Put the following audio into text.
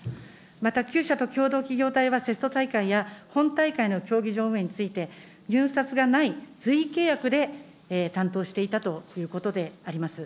また９社と共同企業体は、テスト大会や本大会の競技場運営について、入札がない随意契約で担当していたということであります。